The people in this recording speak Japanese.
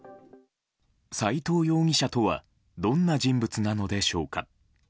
斎藤容疑者とはどんな人物なのでしょうか。